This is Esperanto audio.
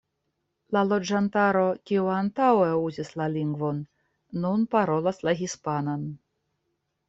La loĝantaro, kiu antaŭe uzis la lingvon, nun parolas la hispanan.